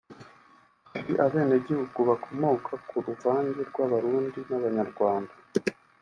hari abenegihugu bakomoka ku ruvange rw’abarundi n’abanyarwanda